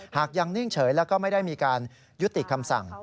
ยังนิ่งเฉยแล้วก็ไม่ได้มีการยุติคำสั่ง